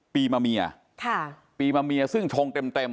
ปีมะเมียค่ะปีมะเมียซึ่งชงเต็มเต็ม